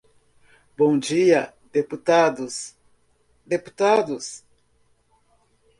Bom dia, deputados, deputados.